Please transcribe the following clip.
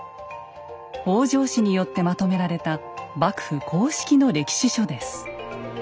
北条氏によってまとめられた幕府公式の歴史書です。